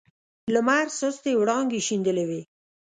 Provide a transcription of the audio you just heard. لمر سستې وړانګې شیندلې وې.